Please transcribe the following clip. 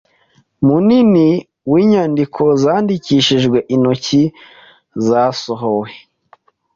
munini w'inyandiko zandikishijwe intoki zasohowe